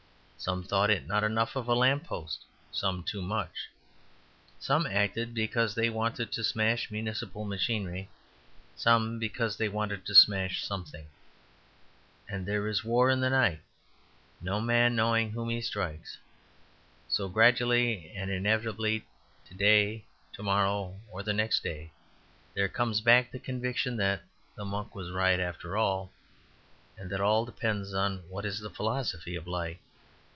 Some thought it not enough of a lamp post, some too much; some acted because they wanted to smash municipal machinery; some because they wanted to smash something. And there is war in the night, no man knowing whom he strikes. So, gradually and inevitably, to day, to morrow, or the next day, there comes back the conviction that the monk was right after all, and that all depends on what is the philosophy of Light.